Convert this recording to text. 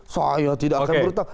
saya tidak akan berhutang